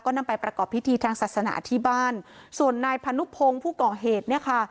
นำไปประกอบพิธีทางศาสนาที่บ้านส่วนนายพานุพงศ์ผู้ก่อเหตุเนี่ยค่ะ